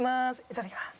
いただきます。